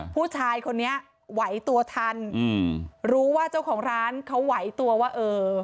ผู้ชายคนนี้ไหวตัวทันอืมรู้ว่าเจ้าของร้านเขาไหวตัวว่าเออ